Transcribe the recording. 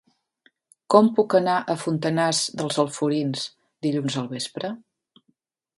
Com puc anar a Fontanars dels Alforins dilluns al vespre?